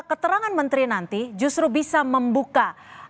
keterangan menteri nanti justru bisa membuka